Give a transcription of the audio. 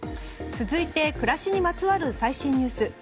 続いては暮らしにまつわる最新ニュース。